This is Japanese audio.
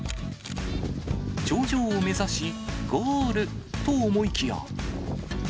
頂上を目指し、ゴールと思いきや。